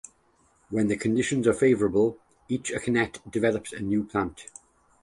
When the conditions are favourable each akinete develops into a new plant.